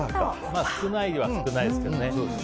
少ないは少ないですけどね。